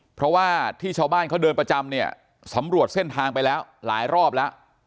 เพราะว่าที่ชาวบ้านเขาเดินประจำเนี่ยสำรวจเส้นทางไปแล้วหลายรอบแล้ว